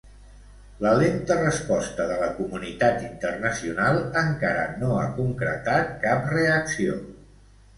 La lenta resposta de la comunitat internacional encara no ha concretat cap reacció.